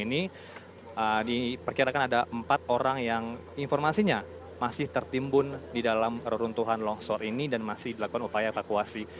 ini diperkirakan ada empat orang yang informasinya masih tertimbun di dalam reruntuhan longsor ini dan masih dilakukan upaya evakuasi